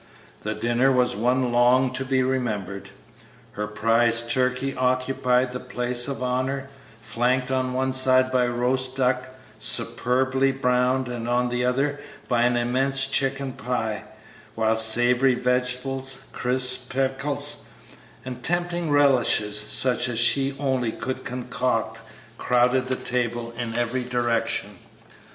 The dinner was one long to be remembered. Her prize turkey occupied the place of honor, flanked on one side by a roast duck, superbly browned, and on the other by an immense chicken pie, while savory vegetables, crisp pickles, and tempting relishes such as she only could concoct crowded the table in every direction.